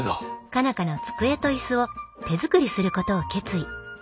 佳奈花の机と椅子を手作りすることを決意。